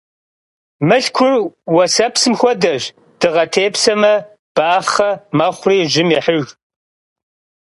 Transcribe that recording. Мылъкур уэсэпсым хуэдэщ: дыгъэ тепсэмэ, бахъэ мэхъури, жьым ехьыж.